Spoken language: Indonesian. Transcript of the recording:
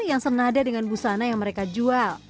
yang senada dengan busana yang mereka jual